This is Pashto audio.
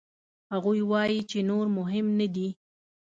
هغوی وايي چې نور مهم نه دي.